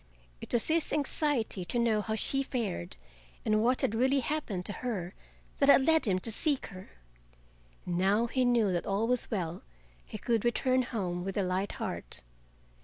It was his anxiety to know how she fared and what had really happened to her that had led him to seek her. Now he knew that all was well he could return home with a light heart.